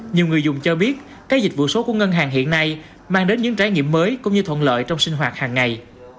nhiều người dùng cho biết các dịch vụ số của ngân hàng hiện nay mang đến những trải nghiệm mới cũng như thuận lợi trong sinh hoạt hàng ngày